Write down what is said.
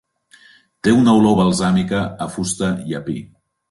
Té una olor balsàmica, a fusta i a pi.